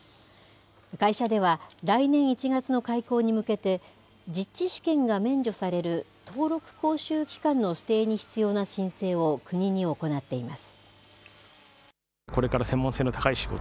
会社では、来年１月の開校に向けて、実地試験が免除される登録講習機関の指定に必要な申請を国に行っています。